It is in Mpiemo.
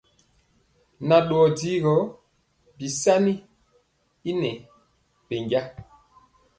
Nan dɔɔ digɔ bisani y nɛ bɛnja.